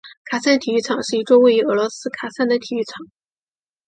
喀山体育场是一座位于俄罗斯喀山的体育场。